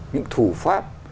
những thủ pháp